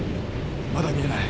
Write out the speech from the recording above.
まだ見えない。